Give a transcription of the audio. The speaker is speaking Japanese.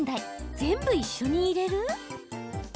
全部、一緒に入れる？